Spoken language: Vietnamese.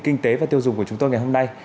kinh tế và tiêu dùng của chúng tôi ngày hôm nay